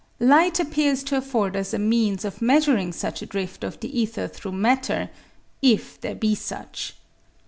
Light appears to afford us a means of measuring such a drift of the ether through matter, if there be such.